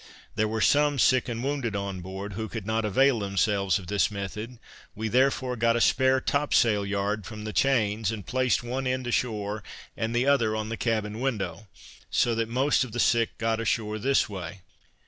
There were some sick and wounded on board, who could not avail themselves of this method; we, therefore, got a spare top sail yard from the chains and placed one end ashore and the other on the cabin window, so that most of the sick got ashore this way.